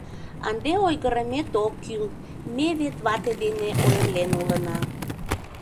Ынде ойгырымет ок кӱл, ме вет вате дене ойырлен улына...